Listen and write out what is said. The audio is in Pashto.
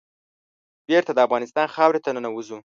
بېرته د افغانستان خاورې ته ننوزو.